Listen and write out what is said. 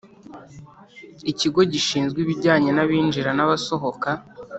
Ikigo gishinzwe ibijyanye n abinjira n abasohoka